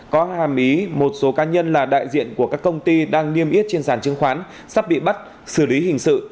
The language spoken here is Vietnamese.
có hàm ý một số cá nhân là đại diện của các công ty đang niêm yết trên sản chứng khoán sắp bị bắt xử lý hình sự